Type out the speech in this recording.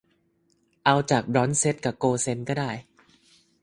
เอาจากบรอนซเซนต์กะโกลด์เซนต์ก็ได้